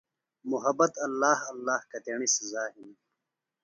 محبت ﷲ ﷲ کتیݨی سزا ہِنیۡ۔